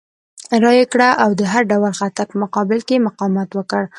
رایه یې ورکړه او د هر ډول خطر په مقابل کې یې مقاومت وکړ.